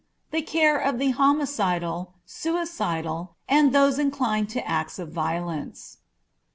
THE CARE OF THE HOMICIDAL, SUICIDAL, AND THOSE INCLINED TO ACTS OF VIOLENCE.